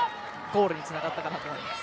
ゴールにつながったかなと思います。